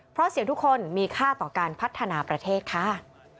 เพราะเสียงทุกคนมีค่าต่อการพัฒนาประเทศค่ะ